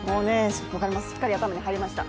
しっかり頭に入りました。